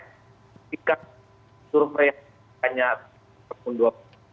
ketika suruh reaksinya hanya kebun dua